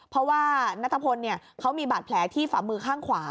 เพราะว่านัทพลเขามีบาดแผลที่ฝ่ามือข้างขวา